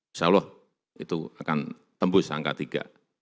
insyaallah itu akan tembus angka tiga